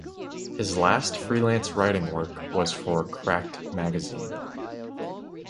His last freelance writing work was for "Cracked" magazine.